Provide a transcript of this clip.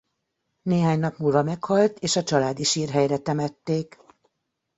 Néhány nap múlva meghalt és a családi sírhelyre temették.